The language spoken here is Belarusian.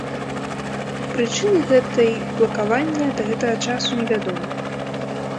Прычыны гэтай блакавання да гэтага часу невядомыя.